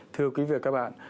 thưa quý vị và các bạn